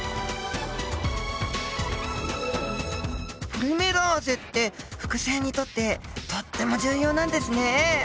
ポリメラーゼって複製にとってとっても重要なんですねえ。